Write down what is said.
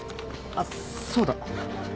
あっそうだ